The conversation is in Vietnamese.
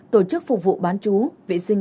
tổ chức phục vụ bản thân